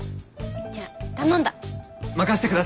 じゃあ頼んだ。